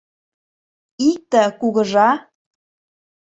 Икте, Кугыжа!